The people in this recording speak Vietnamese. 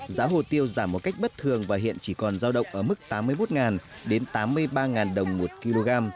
giá hồ tiêu giảm một cách bất thường và hiện chỉ còn giao động ở mức tám mươi một đến tám mươi ba đồng một kg